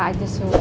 apa aja suka bang